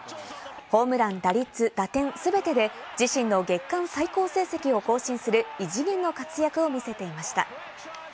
ホームラン、打率、打点、全てで自身の月間最高成績を更新する異次元の活躍を見せていました。